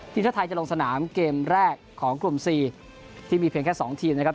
ทีมชาติไทยจะลงสนามเกมแรกของกลุ่ม๔ที่มีเพียงแค่๒ทีมนะครับ